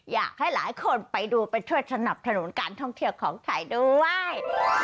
อยากให้หลายคนไปดูไปช่วยสนับสนุนการท่องเที่ยวของไทยด้วย